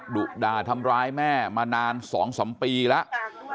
ดุด่าทำร้ายแม่มานาน๒๓ปีแล้ว